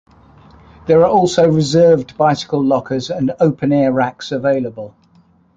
There are also reserved bicycle lockers and open air racks available.